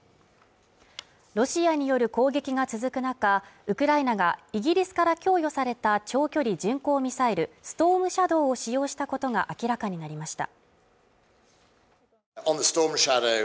ロシアによる攻撃が続く中、ウクライナがイギリスから供与された長距離巡航ミサイル・ストームシャドーを使用したことが明らかになりました。